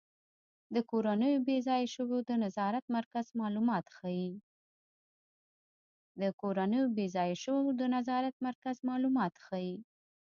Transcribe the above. د کورنیو بې ځایه شویو د نظارت مرکز معلومات ښيي.